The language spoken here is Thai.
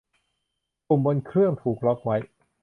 ปุ่มบนเครื่องถูกล็อกไว้